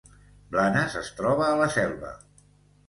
Blanes es troba a la Selva